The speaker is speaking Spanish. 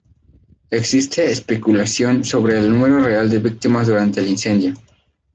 Existe especulación sobre el número real de víctimas durante el incendio.